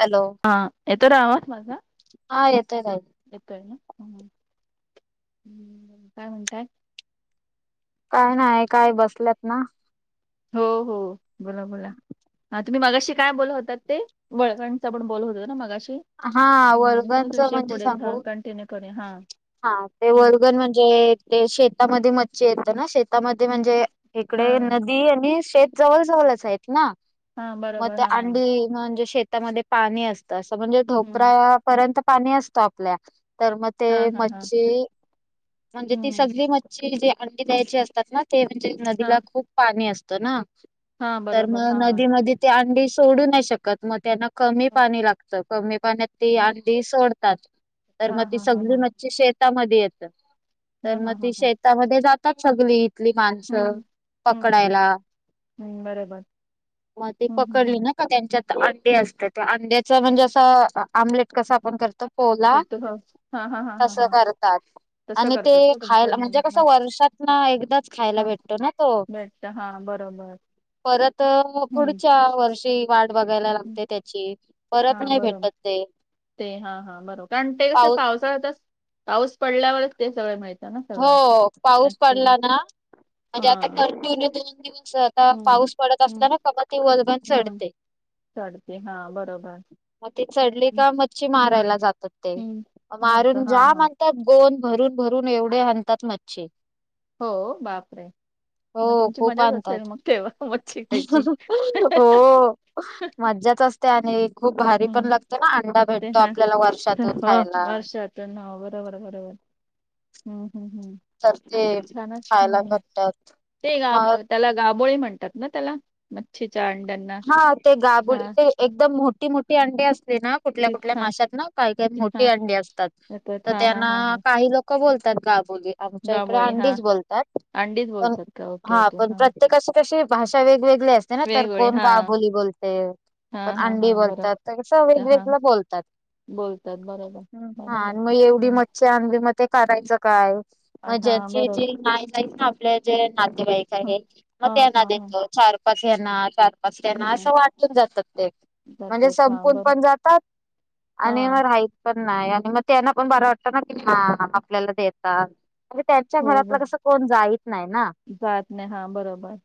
Hello हा येतोय रेआवाज माझा? हा येतोय ताई. येतो ना काय म्हणताय? काय नाही हे काय बसल्यात. हो हो बोला बोला. हा तुम्ही मागाशी काय बोला होतात ते वळवणचा पण बोलत होतो ना मागाशी, हा हं तोच वर्गनच विषय म्हणजे पुडे हा सांगू. कंटिन्यू करुया हा, हा ते हम्म, वर्गन म्हणजे, ते शेतामध्ये मच्छी येतं ना शेतामध्ये हम्म, म्हणजे हा इकडे नदीआणि शेत जवळ जवळच आहेत ना, हा मग बरोबर ते हा अंडी म्हणजे शेतामध्ये पाणी असतं. म्हणजे हम्म, ढोपरा पर्यंत पाणी असतो आपल्या तर मग, हा ते हा हा मच्छी म्हणजे ती हम्म, सगळी मच्छी जे अंडी द्यायची असतात ना. ते म्हणजे हा नदीला खूप पाणी असतं ना हा तर बरोबर मग हा नदीमध्ये ते अंडी सोडू नाही शकत मग त्यांना कमी हम्म, पाणी लागतं कमी पाण्यात ती, हम्म, डी सोडतात तर हा मग ती हा हा सगळी हा मच्छी शेतामध्ये येतात. हा तर हा मग हा ती हा शेतामध्ये जातात सगळी, ली हम्म, माणसं हम्म, हम्म, पकडायला. हम्म, बरोबर मग ते हम्म, हम्म, हम्म. पकडली ना? त्यांच्यात अंडी असतात, अंड्याच म्हणजे असं आमलेट कसं‌ असं जो करतो. हो ना फक्त हा हा हा हा तसं हा करतात. तसं आणि ते करतात का तुमच्या खायला मध्ये म्हणजे हा कसं वर्षात ना एकदाच खायला भेटतो ना तो. भेटतो हा बरोबर. परत हम्म पुढच्या वर्षी वाट बघायला हम्म. लागते त्याची‌. हा बरोबर ते हा हा बरोबर कारण ते कस पाऊस पा पाऊस पडल्यावरच ते सगळे मिळत. हो पाऊस पडला ना, म्हणजे हा आता कटीन्यु दोन दिवस आता हम्म पाऊस पडत हम्म असताना कपाती वजभण हम्म चढते. चढते हा बरोबर. मग ती चढली हम्म का मच्छी हम्म मारायला जातात ते हम्म. नव्हतं मारून हा ज्या हा माण गोन भरून भरून एवढे हणतात मच्छी हो बापरे. मग हो तुमची खूप मजाच असेल आणतात मग तेव्हा मच्छी खायची. हो मज्जाच असते आणि खूप भारी पण हम्म लागते ना अंडा ते भेटतो आपल्याला वर्षातून खायला. त्यां ना बरोबर बरोबर. हम्म हम्म तर ते छान खायला हम्म भेटतात ते गा मग त्याला गाबोळी म्हणतात ना त्याला. मच्छीच्या अंड्यांना हा ते गाबुल हा. ते एकदम मोठी मोठी अंडी असते ना कुठल्या तीच कुठल्या हा माशात ना काही काही मोठी हा अंडी असतात तर येतात हा हा त्यांना हा हा काही लोक का बोलतात गाबोळी. आमच्या इकडे गाबोळी अंडी हा बोलतात अंडीच बोलतात का ओके हा ओके पण प्रत्येक का समोर तशी भाषा वेगवेगळी असते. वेगवेगळे गाबुली बोलते परत अंडी हा बरं बोलतात तर कसं त्या हा वेगवेगळ बोलतात. बोलतात बरोबर ह हा बरोबर आणि मग एवढी हं. मच्छी आणली मग ते करायचं काय? मग हा ज्याची बरोबर ची ना [unintelligible] आपल्या जे नातेवाईक हा आहे मग हा त्यांना हा हा देतो चार पाच यांना, चार-पाच यांना, हा असं वाटून जातात ते म्हणजे जातात हा संपून बरं पण जातात आणि हा मग राहिल पण नाही आणि मग त्यांना पण बरं वाटतं ना की हा आपल्याला देतात. आता त्यांच्या हो बर घरातलं कस कोण जाईत नाही ना. [inaudible] जात नाही हा बरोबर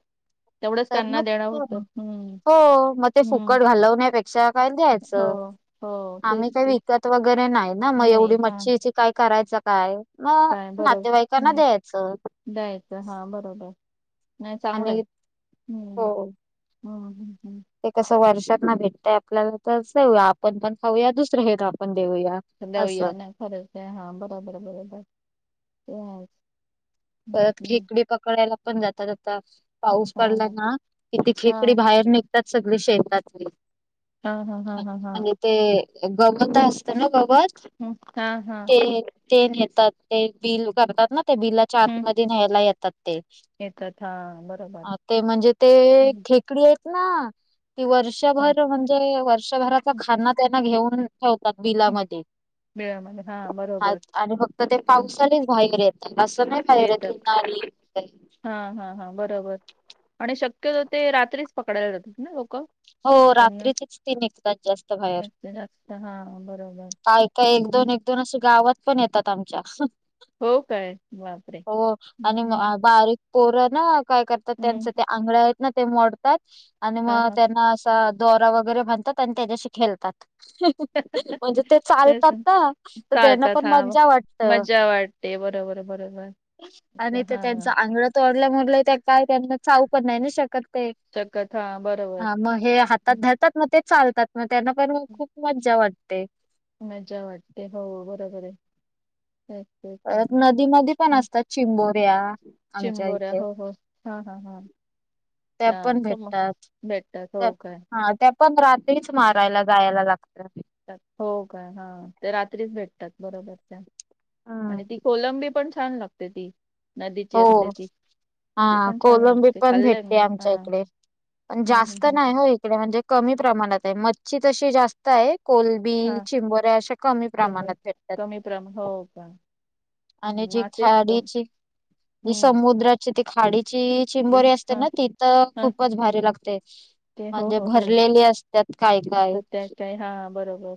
तेवढंच तर त्यांना मग देणं होतं हम्म हो मग ते हम्म फुकट घालवण्यापेक्षा काय हो द्यायचं. हो तेच आम्ही काही तेच विकत वगैरे नाही ना मग नाही एवढी हा मच्छीची काय करायचं काय मग काय बरोबर हम्म नातेवाईकांना द्यायचं. द्यायचं हा बरोबर नाही चांगलंय आणि हो हम्म. ह ह हम्म. ते कसं वर्षात ना भेटतय आपल्याला तर देऊया आपण पण खाऊया दुसर हेला पण देऊया. देवुया असं ना खरच आहे हा बरोबर बरोबर ते. हम्म परत हम्म खेकडी पकडायला पण जातात आता. पाऊस हा पडला ना कि ती खेकडी हा बाहेर निघतात सगळे शेतातली. हा हा हा हा हा. म्हणजे ते गवताच असत ना गवत. [unintelligible] हम् हा हा. ते, ते नेतात, ते बिल काढतात ना ते बिलाच्या हम्म आतमध्ये न्यायला येतात. ते. येतात हा बरोबर ते म्हणजे ते‌ हम्म खेकडी आहेत ना- ते हा वर्षभर म्हणजे वर्षभराचा हम्म, खाना त्यांना घेऊन ठेवतात हम्म. बिलामध्ये बिळामध्ये हा बरोबर आणि फ क्त ते हम्म पावसालीच बाहेर येतात, असं नाही बाहेर येतात येतली [unintelligible] हा हा हा, बरोबर आणि शक्यतो ते रात्रीच पकडायला जातात ना लोकं? हो, रात्रीचीच ती निघतात जास्त बाहेर. जास्त जास्त. हा बरोबर काय त्या एक हम्म. दोन, एक दोन असं गावात पण येतात आमच्या. हो काय बापरे [inaudible] हो हम्म आणि हम्म बारीक पोर ना काय करतात, त्यांच हम्म ते आंगळ आहेत ना ते मोडतात आणि हा मग हा असं दोरा वगैरे बानतात आणि त्याच्याशी खेलतात. म्हणजे ते चालतात तेच ना, तर त्यांना पण मज्जा वाटत. ते बरोबर बरोबर. आणि ते हा त्यांचं आंगळ तोडल्यामुळे ते काय ते त्यांना चाऊ पण नाही न शकत ते. चगत हा भर हा, मग हे हातात धरतात मग ते चालतात, मग त्यांना पण मग खूप मज्जा वाटते. मज्जा वाटते, हो बरोबर आहे. [unintelligible] [inaudible] आ नदीमध्ये पण हं, असतात चिंबोऱ्या. आमच्या चिंबोऱ्या इथे हो हो, हा हा हा. त्या पण भेटतात, भेटतात हो काय हा त्या प पण रात्रीच मारायला जायला लागत. हो काय, हा ते रात्रीच भेटतात बरोबर त्या हम्म आणि ती कोलंबी पण छान लागते ती. नदीची हो, असते ती हा, ती पण छान कोलंबी लागते पण खाल्लंय मी भेटते हा आमच्या इकडे. पण हम्म हम्म जास्त हम्म नाही हम्म. ना इकडे म्हणजे कमी प्रमाणात आहे. मच्छी तशी जास्त आहे, कोल बी, हा चिंबोऱ्या अशा कमी प्रमाणात चिंबोरी भेटत्यात. कमी प्रमाण हो का हम्म, [inaudible] मासे खथाडीची [unintelligible] जी हम्म समुद्राची ती खाडीची चिंबोरी असते हा ना, तिथ हा खूपच भारी लागते. ते हो म्हणजे हो हो भरलेली असत्यात, काय काय. तर त्या काय हां बरोबर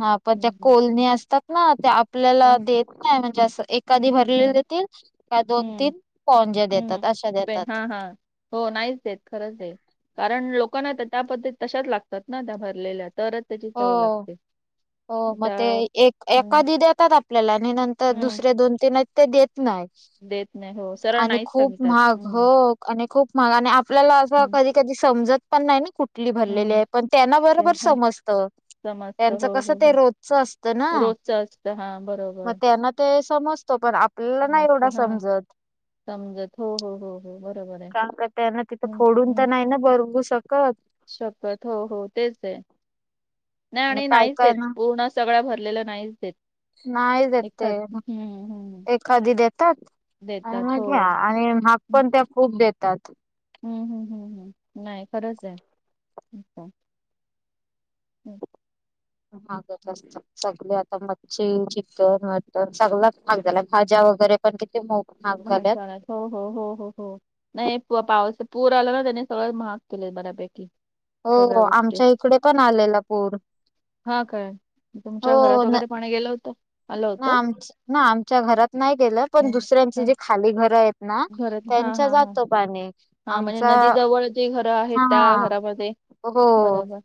हा, पण त्या हं, हं, कोलणी असतात ना त्या आपल्याला देत- नाही असं एखादी भरलेली हं, देतील- का दोन हं, तीन पोज्या देतात अशा देतात. हा, हो नाहीच देत खरंच दे. कारण, लोकांना त्या पद्धतीत तशाच लागतात ना, त्या भरलेल्या तरच त्याची चव हो लागते. हो, मग त्या ते एक हं, एखादी देतात आपल्याला आणि नंतर हं. दुसरे दोन तीन ते देत- नाहीत. देत नाही हो, आणि नाहीच खूप सांगतात. महाग हो हं, आणि खूप महाग आणि आपल्याला असं हं, क- धी समजत पण नाही ना कुठली भरलेली हं. आहे, पण त्यांना ते बरोबर हं, समजत. जत, समजतं. त्यांच हो, कस हो, ते हो. रोजच असत ना, रोजचं असतं. हां, मग बरोबर. त्यांना- ते समजत पण, आपल्याला नाही एवढा समजतं. हां, समजत. समजत. हो, हो, हो, हो. बरोबर आहे. काम करताना तिथं हं, फोडून तर हं. नाही ना बरवू शकत. शकत, हो, हो, तेच आहे आणि नाही काय नाहीच काय देत ना सगळ्या भरलेलं नाहीच देत. नाहीच देत ते, एकटाच हं, हं. एखादी देतात आणि देतात. मग ह्या हो. महाग हं, पण खूप देतात. हं, हं, हं, नाही खरंच आहेच. हम्म हात [inaudible] सगळं आता मच्छी चिकन मटन सगला महाग झाला भाज्या वगैरे पण कि मो महाग झाल्यात हो [inaudible] हो हो हो हो हो नाही पाऊस पूर आला ना त्यानी सगळं महाग केले बऱ्यापैकी, हो सगळ्या गोष्टी. आमच्या इकडे पण आलेला पूर. हा काय हो तुमच्या घरात न वगैरे पाणी गेलं होतं? आलं होतं? आम ना आमच्या घरात नाही गेलं पण हं, दुसऱ्यांची हं. जे खाली घर आहेत, ना घरात हां, त्यांच हां, हां. जात. पाणी हां, म्हणजे आमचा नदीजवळ जी घरं आहेत त्या हाहा घरामध्ये हो‌, बरोबर.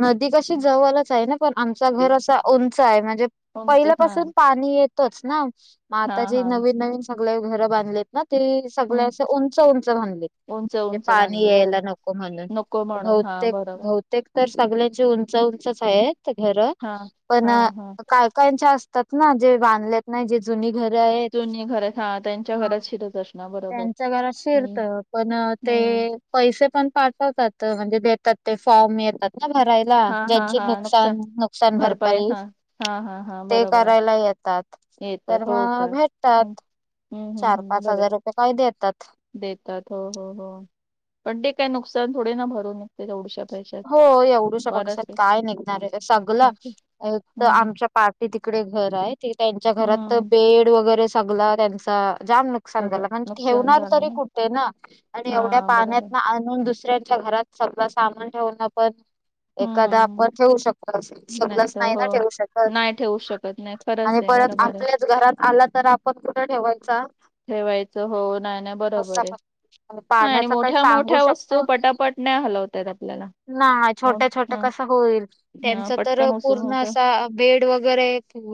नदी कशी जवळच आहे ना, पण आमचा ते घर असा उंच आहे म्हणजे उंच हां, पहिल्यापासून पा येतोच ना म आता हां, जी हां. नवीन नवीन सगळे घर बांधलेत ना ते सगळ हं. असं उंच उंच बाधले. उंच, म्हणजे उंच पाणी बांधली. बरोबर. यायला नको म्हणून, नको म्हणून हा बहतेक बरोबर बहुतेक. तर सगळ्यांची उंच उंचच आहेत घर हा पण हा हा काय लोकांच्या असतात ना जे बांधलेत नाही जे जुनी घर आहेत. श दर्शना [inaudible] त्यांच्या घरात शिरत. पण ते हम्म पैसे पण पाठवतात म्हणजे देतात ते फॉर्म येतात. ना भरायला हा हा ज्यांची हा नुकसान नुकसान भरपाई हा हा हा हा ते बरोबर करायला येतात. तर येतात हो का मग हम्म भेटतात. हम्म हम्म हम्म काय देतात. देतात हो हो हो पण ते काय नुकसान थोडे ना भरून निघते तेवढुश्यान हो येवडूशा बक्षात काय निघणार आहे, सगळं हम्म तर हम्म आमच्या पाटी तिकडे घर आहे. त्यांच्या घरात तर हम्म. बेड वगैरे सगला त्यांचा जाम नक् सगळं [unintelligible] नुकसान ठेवणार झालं तरी ना कुठे ना, आणि एवढ्या हा बरोबर पाण्यात आणून दुसऱ्यांच्या घरात सगळं सामान ठेवणं पण एखाद हम्म आपण ठेवू शकतो, सगळंच तर नाही हो ना ठेवू शकत. नाही ठेवू शकत नाही खरंच आणि आहे परत बरोबर आहे आपल्याच घरात आला तर, आपण कुठं ठेवायचा? ठेवायचं हो. नाही ना असा बरोबर आहे. पण हा आणि पाण्याचा काही मोठ्या सांगू मोठ्या वस्तू, पटापट नाही हलवता येत आपल्याला. नाही मो छोट्या छोट्या ह कसं होईल. ह त्यांच तर पटकन उचलून पूर्ण उचलून असा बेड वगैरे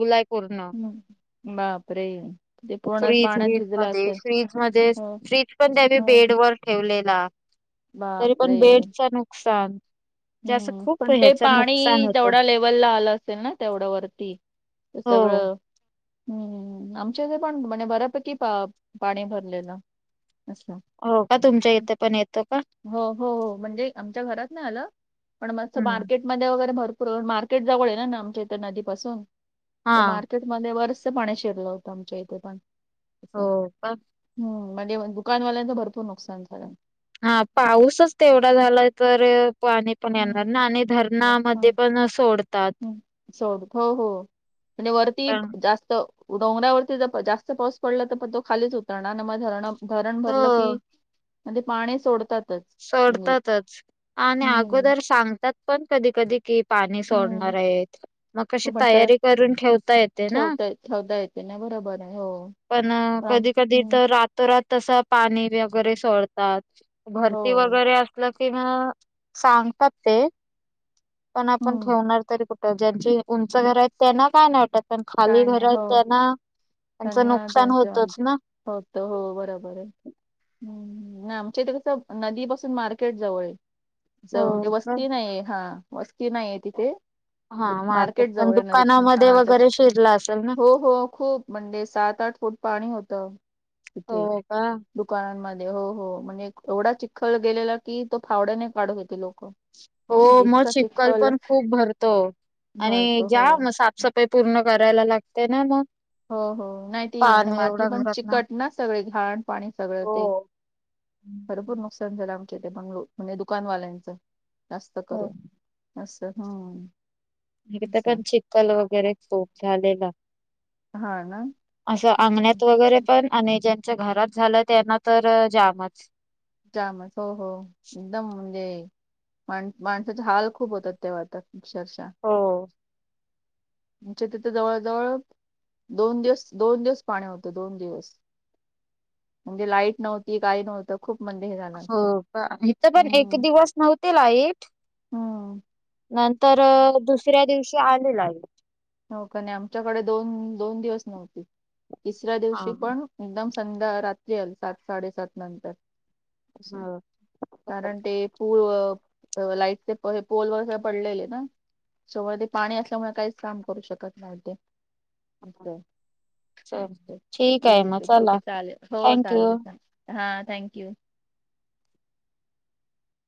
लाईक हम्म, बापरे! ते पूर्णच फ्रीज मध्ये, फ्रीज मध्ये, फ्रीज पण त्यांनी हो बेडवर ठेवलेला. तरी पण बापरे! बेडचं नुकसान. म्हणजे असं हम्म. खूप पण ते ह्याच नुकसान पाणी होतं जेवढ्या लेवलला आलं असेल ना तेवढ्या वरती. हो सगळं हम्म हम्म हम्म., आमच्या इथं पण म्हणजे बऱ्यापैकी पा पाणी भरलेलं. असं. हो का? तुमच्या इथे पण येतो का? हो हो हो. म्हणजे आमच्या घरात नाही आलं, पण मस्त हम्म मार्केट मध्ये वगैरे भरपूर, मार्केट जवळ आहे ना आमच्या इथं नदी पासून. हा तर मार्केट मध्ये बरचसं पाणी शिरलं होतं, आमच्या इथे पण. हो असं. का? हम्म, मध्ये दुकानवाल्यांचं भरपूर नुकसान झालं. हा पाऊसच तेवढा झाला तर, पाणी पण हम्म येणार ना आणि धरणामध्ये हम्म. पण सोड हम्म, सोड हो हो म्हणजे वरती पण जास्त डोंगरावरती जर प जास्त पाऊस पडला, तर पण तो खालीच उतरणार. म धरणं धरण भरलं की, हो म ते पाणी सोडतातच. म्हणजे सोडतातच. आणि हम्म अगोदर सांगतात पण कधी कधी की पाणी सोडणार हम्म आहेत. मग कशी हो पण तर तयारी करून ठेवता येते ना. ठेवता ठेवता येते ना बरोबर आहे हो. पण आम- कधी कधी हम्म. तर, रातो रात तसं पाणी वगैरे सोडतात. भरती हो वगैरे अस ल की मग सांगतात ते. पण आपण हम्म ठेवणार तरी कुठे तर ज्यांची उंच घर आहेत, त्यांना काय नाही वाटतं. पण खाली काय घर नाही आहेत हो त्यांना त्यांचं नुकसान होतंच ना. होतं, हो बरोबर आहे. हम्म. नाही आमच्या इथे कसं, नदीपासून मार्केट जवळ आहे. हो असं म्हणजे का. वस्ती नाहीये, हा वस्ती नाही आहे तिथे. हा मार्केट पण जवळ आहे नदीपासून दुकानामध्ये हा वगैरे त्याच्या, शिरला असेल ना. हो हो खूप मंडे सात, आठ फूट पाणी होत तिथे हो का दुकानांमध्ये, हो हो. म्हणजे एवढा चिखल गेलेला की, तो फावड्याने काढत होते ते लोकं. हो मग चिखल पण खूप भरतो आणि भरतो ज्या हो. म साफ सफाई पूर्ण करायला लागते ना मग. हो हो. नाही ती आणि पाणी माती एवढा पण घरात चिकट ना. सगळे घाण पाणी सगळं ते हो. [unintelligible] ज लामख ते बंगलोर, म्हणजे दुकानवाल्यांचं जास्त हो करून असं हा. इथं पण चिकखल वगैरे खूप झालेला. हा ना. [inaudible] असं एकदम अंगण्यात वगैरे पण आणि ज घरात झालं त्यांना तर जामच. जामच हो हो एकदम म्हणजे माण माणसाचे हाल खूप होतात तेव्हा तर. अक्षरशा. हो [inaudible] आमच्या तिथे जवळ-जवळ दोन दिवस, दोन दिवस पाणी होतं दोन दिवस. म्हणजे लाईट नव्हती, काही नव्हतं खूप म्हणजे हे झाल हो का इथं पण एक दिवस नव्हते लाईट. हम्म नंतर दुसऱ्या दिवशी आली लाईट. होका नाही आमच्याकडे दोन-दोन दिवस नव्हते तिसऱ्या हा दिवशी पण एकदम संध्या रात्री आल सात-साडेसात नंतर. हो कारण ते पूल अ लाईटचे पोल वगैरे पडलेले ना. सगळं ते पाणी असल्यामुळे काहीच काम करू शकत नव्हते. [unintelligible] चल ठीक मग आहे, ठीक आहे चला चालेल हो थँक यू. चालेल हा थँक यू.